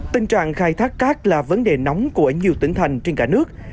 tình trạng khai thác cát là vấn đề nóng của nhiều tỉnh thành trên cả nước